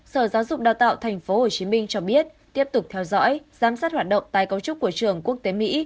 sở giáo dục đào tạo tp hcm cho biết tiếp tục theo dõi giám sát hoạt động tái cấu trúc của trường quốc tế mỹ